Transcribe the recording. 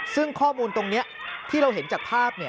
ซึ่งข้อมูลตรงนี้ที่เราเห็นจากภาพ